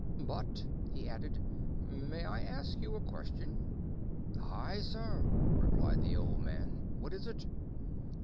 "But," he added, "may I ask you a question?" "Ay, sir," replied the old man; "what is it?"